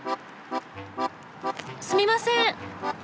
すみません！